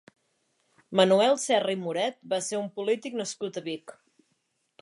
Manuel Serra i Moret va ser un polític nascut a Vic.